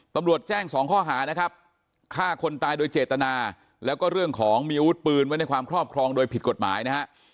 ตำรวจแจ้งสองข้อหานะครับฆ่าคนตายโดยเจตนาแล้วก็เรื่องของมีอาวุธปืนไว้ในความครอบครองโดยผิดกฎหมายนะฮะ